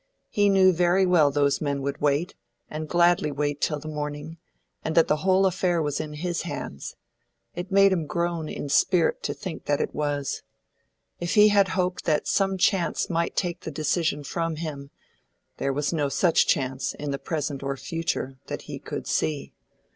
He knew very well those men would wait, and gladly wait, till the morning, and that the whole affair was in his hands. It made him groan in spirit to think that it was. If he had hoped that some chance might take the decision from him, there was no such chance, in the present or future, that he could see.